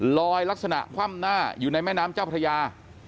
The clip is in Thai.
ลักษณะคว่ำหน้าอยู่ในแม่น้ำเจ้าพระยา